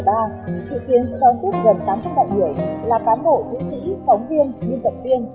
dự kiến sẽ đón tiếp gần tám trăm linh đại người là bán bộ chữ sĩ phóng viên biên tập viên